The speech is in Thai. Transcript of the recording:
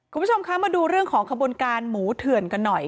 คุณผู้ชมคะมาดูเรื่องของขบวนการหมูเถื่อนกันหน่อย